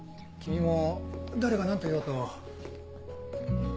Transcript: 君も誰が何と言おうと。